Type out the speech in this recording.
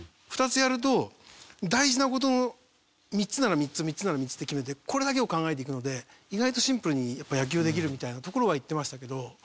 ２つやると大事な事の３つなら３つ３つなら３つって決めてこれだけを考えていくので意外とシンプルに野球できるみたいなところは言ってましたけど。